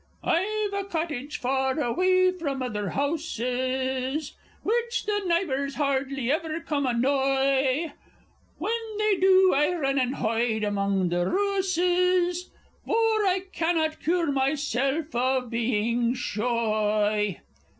_ I've a cottage far away from other houses, Which the nybours hardly ever come anoigh; When they do, I run and hoide among the rouses, For I cannot cure myself of being shoy.